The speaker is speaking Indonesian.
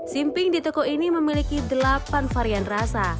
simping di toko ini memiliki delapan varian rasa